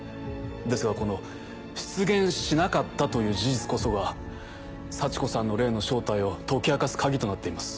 ですがこの出現しなかったという事実こそが幸子さんの霊の正体を解き明かすカギとなっています。